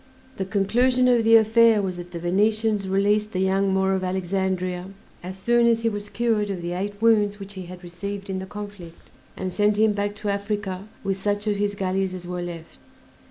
The conclusion of the affair was that the Venetians released "The Young Moor of Alexandria" as soon as he was cured of the eight wounds which he had received in the conflict, and sent him back to Africa with such of his galleys as were left.